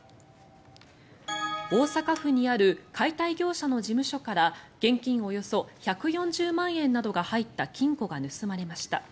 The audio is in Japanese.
大阪府にある解体業者の事務所から現金およそ１４０万円などが入った金庫が盗まれました。